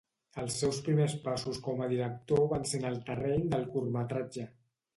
Els seus primers passos com a director van ser en el terreny del curtmetratge.